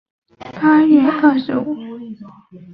寿辰八月二十五。